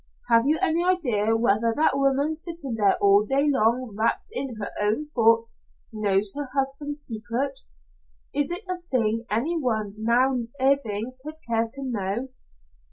Have you any idea whether that woman sitting there all day long rapt in her own thoughts knows her husband's secret? Is it a thing any one now living would care to know?"